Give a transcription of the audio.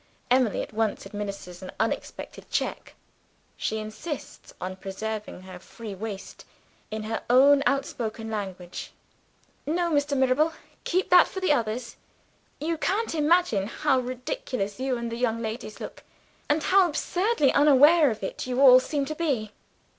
Emily at once administers an unexpected check; she insists on preserving a free waist, in her own outspoken language. "No, Mr. Mirabel, keep that for the others. You can't imagine how ridiculous you and the young ladies look, and how absurdly unaware of it you all seem to be."